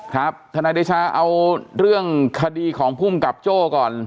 ทนายเดชาเอาเรื่องคดีของภูมิกับโจ้ก่อน